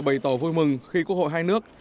bày tỏ vui mừng khi quốc hội hai nước